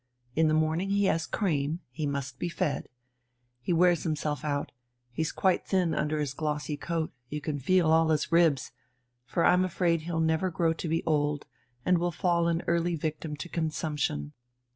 In the morning he has cream ... he must be fed. He wears himself out, he's quite thin under his glossy coat, you can feel all his ribs. For I'm afraid he'll never grow to be old, but will fall an early victim to consumption.